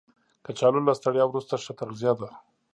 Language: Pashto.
کچالو له ستړیا وروسته ښه تغذیه ده